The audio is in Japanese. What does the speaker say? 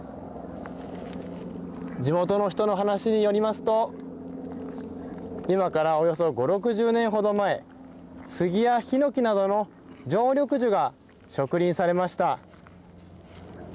地元の人の話によりますと今からおよそ５０６０年ほど前スギやヒノキなどの常緑樹が植林されました。